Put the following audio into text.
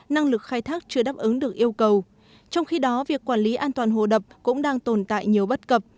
năng lực khai thác chưa đáp ứng được yêu cầu trong khi đó việc quản lý an toàn hồ đập cũng đang tồn tại nhiều bất cập